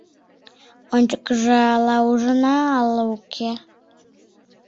Ончыкыжо ала ужына, ала уке.